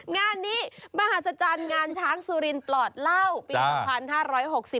งานนี้มหาศจรรย์งานช้างสุรินปลอดเหล้าปี๒๕๖๐